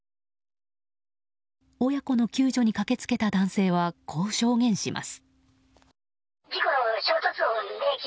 親子の救助に駆け付けた男性はこう証言します。